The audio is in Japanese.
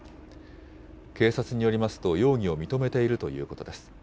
警察によりますと、容疑を認めているということです。